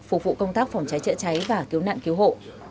phục vụ công tác phòng cháy chữa cháy và cứu nạn cứu hộ